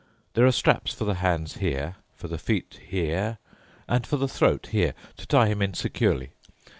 There are straps for the hands here, for the feet here, and for the throat here, to tie him in securely.